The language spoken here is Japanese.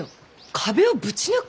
壁をぶち抜く？